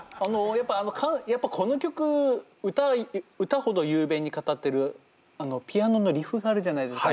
あのやっぱこの曲歌ほど雄弁に語ってるピアノのリフがあるじゃないですか。